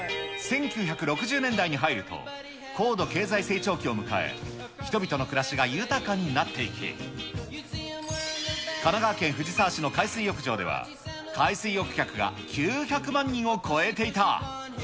１９６０年代に入ると、高度経済成長期を迎え、人々の暮らしが豊かになっていき、神奈川県藤沢市の海水浴場では、海水浴客が９００万人を超えていた。